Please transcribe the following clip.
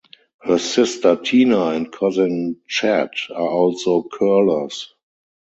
Her sister Tina and cousin Chad are also curlers.